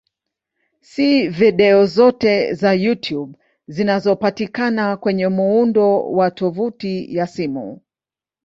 Si video zote za YouTube zinazopatikana kwenye muundo wa tovuti ya simu.